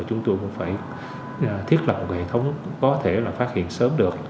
chúng tôi cũng phải thiết lập một hệ thống có thể là phát hiện sớm được